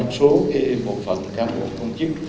cái bộ phận các bộ công chức